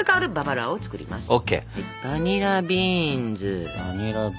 バニラビーンズ。